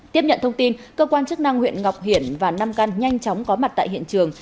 tiếp nhận thông tin cơ quan chức năng huyện ngọc hiển và nam căn nhanh chóng có mặt tại hiện trường